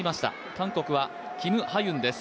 韓国はキム・ハユンです。